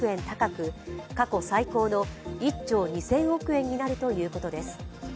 高く過去最高の１兆２０００億円になるということです